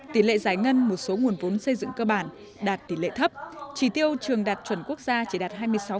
tỷ lệ giải ngân một số nguồn vốn xây dựng cơ bản đạt tỷ lệ thấp chỉ tiêu trường đạt chuẩn quốc gia chỉ đạt hai mươi sáu